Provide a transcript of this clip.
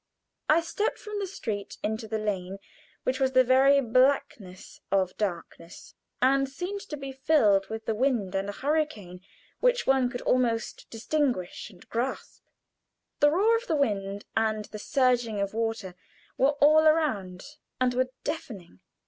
I stepped from the street into the lane, which was in the very blackness of darkness, and seemed to be filled with wind and a hurricane which one could almost distinguish and grasp. The roar of the wind and the surging of water were all around, and were deafening.